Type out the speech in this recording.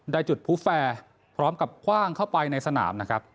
จุดผู้แฟร์พร้อมกับคว่างเข้าไปในสนามนะครับ